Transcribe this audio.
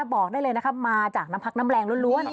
บอกได้เลยนะครับมาจากน้ำพักน้ำแรงล้วน